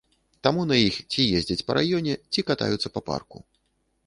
Таму на іх ці ездзяць па раёне, ці катаюцца па парку.